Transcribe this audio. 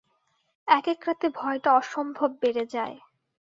একেক রাতে ভয়টা অসম্ভব বেড়ে যায়।